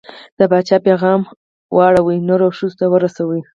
د پاچا پیغام یې واړو، نرو او ښځو ته ورساوه.